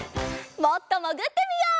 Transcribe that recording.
もっともぐってみよう。